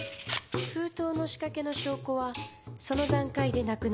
封筒の仕掛けの証拠はその段階でなくなる。